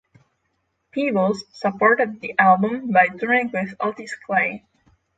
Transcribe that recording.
Peebles supported the album by touring with Otis Clay.